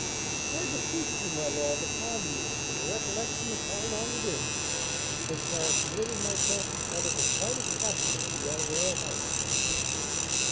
"I beseech you, my lord, to pardon me, from the recollection of how long it is since I have permitted myself to utter the slightest compliment to your royal highness."